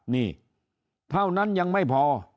นี่เท่านั้นยังไม่พอ